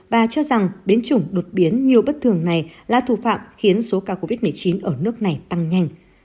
bà cho rằng biến chủng đột biến nhiều bất thường này là thủ phạm khiến số ca covid một mươi chín ở nước này tăng nhanh